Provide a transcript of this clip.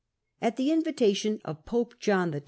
At the invitation of pope John XII.